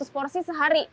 dua ratus porsi sehari